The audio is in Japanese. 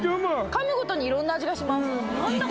噛むごとに色んな味がします